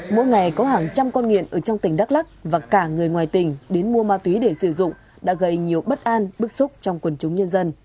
mỗi ngày có hàng trăm con nghiện ở trong tỉnh đắk lắc và cả người ngoài tỉnh đến mua ma túy để sử dụng đã gây nhiều bất an bức xúc trong quần chúng nhân dân